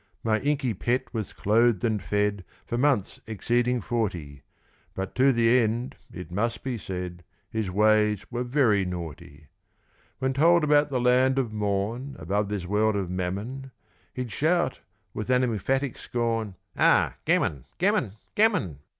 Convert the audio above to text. My inky pet was clothed and fed For months exceeding forty; But to the end, it must be said, His ways were very naughty. When told about the Land of Morn Above this world of Mammon, He'd shout, with an emphatic scorn, "Ah, gammon, gammon, gammon!"